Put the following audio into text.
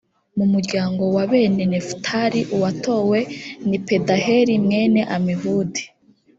mu muryango wa bene nefutali, uwatowe ni pedaheli mwene amihudi.